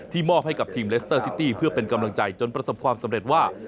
มอบให้กับทีมเลสเตอร์ซิตี้เพื่อเป็นกำลังใจจนประสบความสำเร็จว่า